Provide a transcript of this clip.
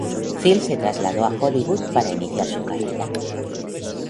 Fields se trasladó a Hollywood para iniciar su carrera.